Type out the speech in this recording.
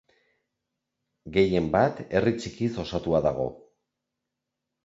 Gehienbat herri txikiz osatua dago.